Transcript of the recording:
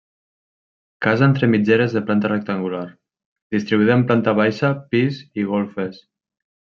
Casa entre mitgeres de planta rectangular, distribuïda en planta baixa, pis i golfes.